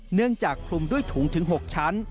เนื่องจากคลุมด้วยถุงถึง๖ชั้น